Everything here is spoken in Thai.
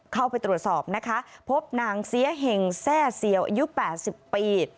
เข้าไปตรวจสอบนะคะพบนางเสียเห็งแทร่เซียวอายุ๘๐ปี